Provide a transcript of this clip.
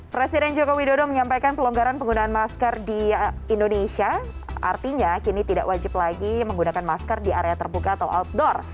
presiden joko widodo menyampaikan pelonggaran penggunaan masker di indonesia artinya kini tidak wajib lagi menggunakan masker di area terbuka atau outdoor